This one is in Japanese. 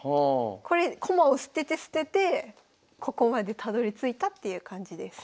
これ駒を捨てて捨ててここまでたどりついたっていう感じです。